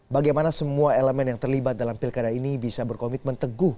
bagaimana semua elemen yang terlibat dalam pilkada ini bisa berkomitmen teguh